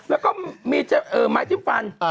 แล้วก็มีไม้จิ้มฟัน